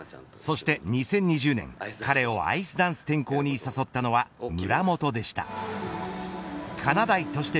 そして２０２０年、彼をアイスダンス転向にさそったのは。